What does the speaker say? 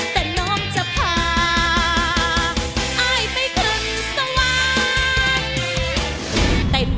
แต่น้องจะพาอ้ายไปขึ้นสวรรค์เต้นเท้า